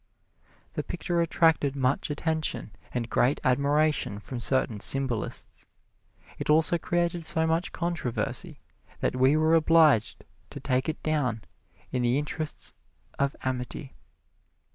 The picture attracted much attention and great admiration from certain symbolists. It also created so much controversy that we were obliged to take it down in the interests of amity.